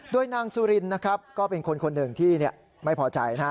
โดยนางสุรินนะครับก็เป็นคนหนึ่งที่ไม่พอใจนะฮะ